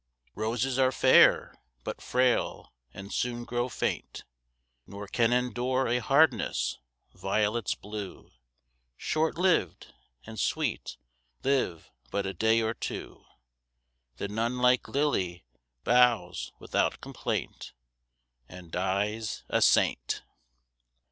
Roses are fair, but frail, and soon grow faint, Nor can endure a hardness; violets blue, Short lived and sweet, live but a day or two; The nun like lily bows without complaint, And dies a saint.